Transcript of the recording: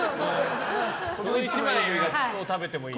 その１枚食べてもいいよ。